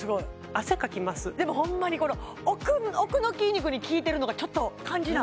汗かきますでもホンマに奥の筋肉にきいてるのがちょっと感じない？